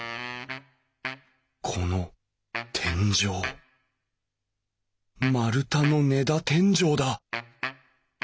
この天井丸太の根太天井だ。